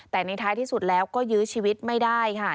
แต่ในท้ายที่สุดแล้วก็ยื้อชีวิตไม่ได้ค่ะ